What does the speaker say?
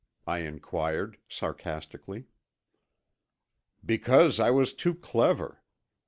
I inquired sarcastically. "Because I was too clever.